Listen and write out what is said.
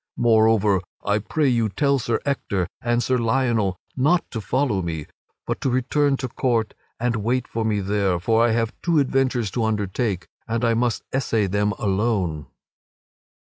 Moreover, I pray you tell Sir Ector and Sir Lionel not to follow after me, but to return to court and wait for me there, for I have two adventures to undertake and I must essay them alone."